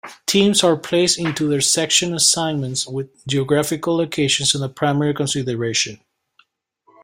Teams are placed into their section assignments with geographic location as a primary consideration.